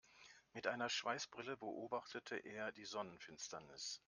Mit einer Schweißbrille beobachtete er die Sonnenfinsternis.